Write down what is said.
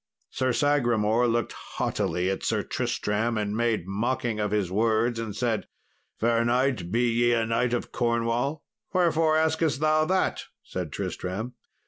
Sir Sagramour looked haughtily at Sir Tristram, and made mocking of his words, and said, "Fair knight, be ye a knight of Cornwall?" "Wherefore askest thou that?" said Tristram.